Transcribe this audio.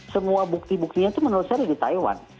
semua bukti buktinya itu menurut saya ada di taiwan